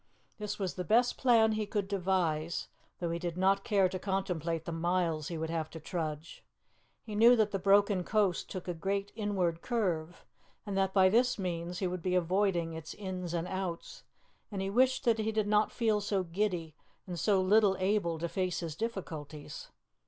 This was the best plan he could devise, though he did not care to contemplate the miles he would have to trudge. He knew that the broken coast took a great inward curve, and that by this means he would be avoiding its ins and outs, and he wished that he did not feel so giddy and so little able to face his difficulties.